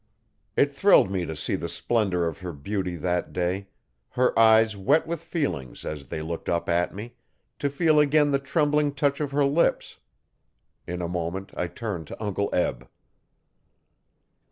It thrilled me to see the splendour of her beauty that day; her eyes wet with feeling as they looked up at me; to feel again the trembling touch of her lips. In a moment I turned to Uncle Eb.